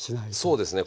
そうですね。